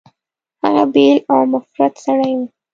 هغه بېل او منفرد سړی و.